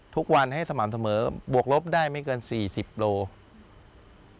ทุกวันให้สม่ำเสมอบวกลบได้ไม่เกิน๔๐กิโลกรัม